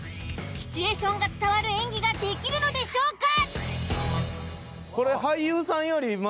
シチュエーションが伝わる演技ができるのでしょうか。